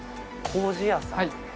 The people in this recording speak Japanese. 糀屋さん？